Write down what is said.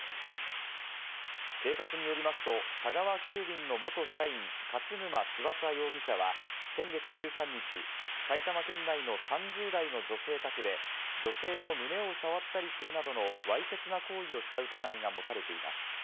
警察によりますと、佐川急便の元社員・勝沼翼容疑者は先月１３日、埼玉県内の３０代の女性宅で女性の胸を触ったりするなどのわいせつな行為をした疑いが持たれています。